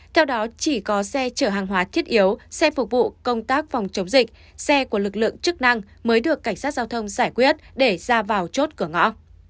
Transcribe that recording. theo đó chỉ có xe chở hàng hóa thiết yếu xe phục vụ công tác phòng chống dịch xe của lực lượng chức năng mới được cảnh sát giao thông giải quyết để ra vào chốt cửa ngõ